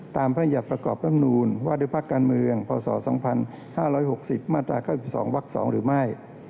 ตามพระนักยัดประกอบพัฒนูญว่าโดยภักดิ์การเมืองพศ๒๕๖๐มาตรา๙๒ว๒หรือไม่